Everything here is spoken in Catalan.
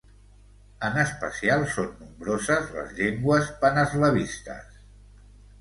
En especial, són nombroses les llengües paneslavistes.